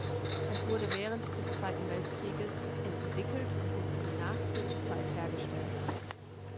Es wurde während des Zweiten Weltkrieges entwickelt und bis in die Nachkriegszeit hergestellt.